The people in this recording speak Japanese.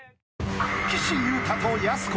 ［岸優太とやす子！